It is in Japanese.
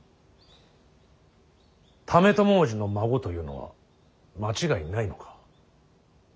為朝叔父の孫というのは間違いないのか。